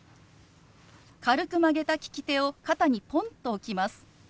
軽く曲げた利き手を肩にポンと置きます。